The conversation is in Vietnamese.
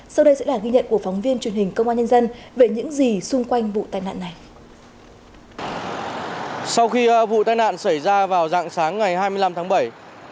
sau đây sẽ là ghi nhận của phóng viên truyền hình công an nhân dân về những gì xung quanh vụ tai nạn này